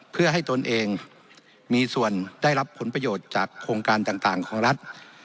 เพื่อให้ตนเองมีส่วนได้รับผลประโยชน์จากโครงการต่างของรัฐ